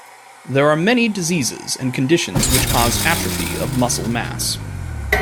There are many diseases and conditions which cause atrophy of muscle mass.